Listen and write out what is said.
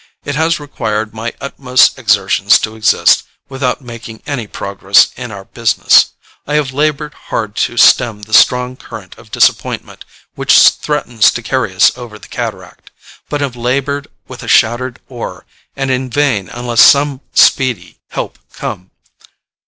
It has required my utmost exertions to exist, without making any progress in our business. I have labored hard to stem the strong current of disappointment which threatens to carry us over the cataract, but have labored with a shattered oar, and in vain unless some speedy help come.